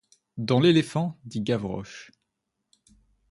Dans l'éléphant, dit Gavroche.